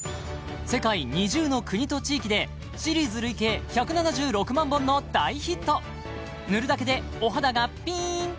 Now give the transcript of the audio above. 世界２０の国と地域でシリーズ累計１７６万本の大ヒット塗るだけでお肌がピーン！